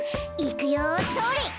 いくよそれ！